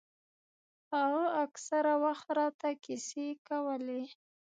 هغه اکثره وخت راته کيسې کولې.